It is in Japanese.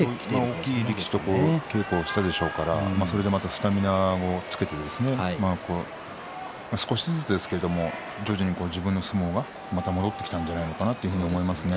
大きい力士と稽古しているでしょうからそれでスタミナもつけて少しずつですけれども徐々に自分の相撲が戻ってきたんじゃないかなと思いますね。